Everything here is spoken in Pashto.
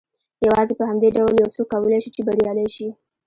يوازې په همدې ډول يو څوک کولای شي چې بريالی شي.